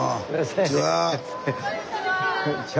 こんにちは。